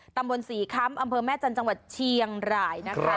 ตำบลศรีค้ำอำเภอแม่จันทร์จังหวัดเชียงรายนะคะ